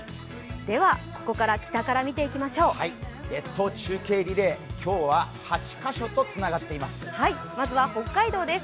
ここから、北から見ていきましょう列島中継リレー、今日は８カ所とつながっています。